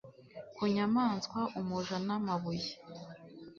Ku nyamaswa umuja namabuye